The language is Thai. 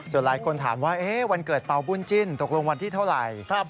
ส่วนหลายคนถามว่าวันเกิดเป่าบุญจิ้นตกลงวันที่เท่าไหร่